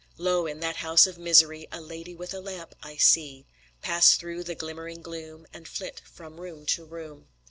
Lo! in that house of misery A lady with a lamp I see Pass through the glimmering gloom And flit from room to room.